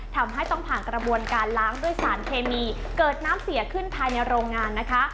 ทำให้ต้องผ่านกระบวนการล้างด้วยสารเคมีเกิดน้ำเสียขึ้นภายในโรงงานนะคะ